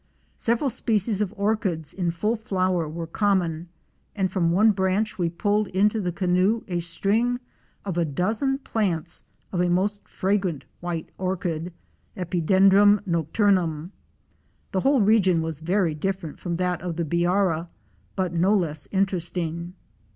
Several species of orchids in full flower were common, and from one branch we pulled into the canoe a string of a dozen plants of a most fragrant white orchid — Epidendrum nocturnum. 'The whole region was very different from that of the Biara but no less interesting.